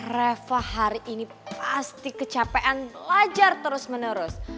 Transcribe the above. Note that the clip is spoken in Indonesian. reva hari ini pasti kecapean lajar terus menerus